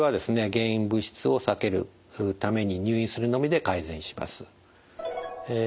原因物質を避けるために入院するのみで改善します。